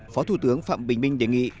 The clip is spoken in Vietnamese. phó thủ tướng phạm bình minh đề nghị